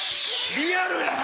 リアルやな！